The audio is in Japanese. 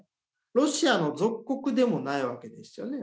ロシアの属国でもないわけですよね。